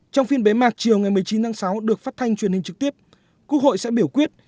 trong phiên bế mạc chiều ngày một mươi chín tháng sáu được phát thanh truyền hình trực tiếp quốc hội sẽ biểu quyết